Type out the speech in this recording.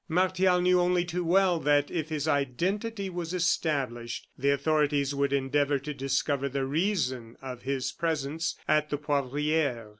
Martial knew, only too well, that if his identity was established, the authorities would endeavor to discover the reason of his presence at the Poivriere.